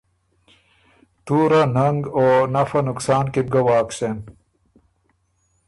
تُوره، ننګ او نفع نقصان کی بو ګه واک سېن۔